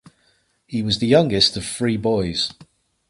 He was the youngest of three boys.